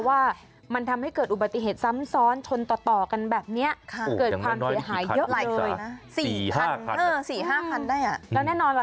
ว่ามันทำให้เกิดอุบัติเหตุซ้ำซ้อนชนต่อกันแบบนี้เกิดความเสียหายเยอะหลายเลยนะ